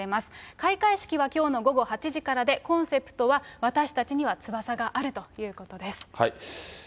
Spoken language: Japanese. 開会式はきょうの午後８時からで、コンセプトは、私たちには翼があるということです。